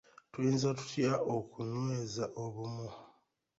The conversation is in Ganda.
Tuyinza tutya okunyeza obumu?